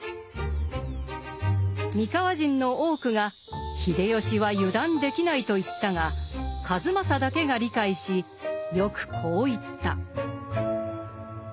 三河人の多くが秀吉は油断できないと言ったが数正だけが理解しよくこう言った。